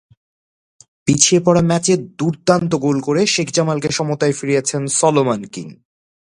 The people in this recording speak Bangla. পিছিয়ে পড়া ম্যাচে দুর্দান্ত গোল করে শেখ জামালকে সমতায় ফিরিয়েছেন সলোমন কিং।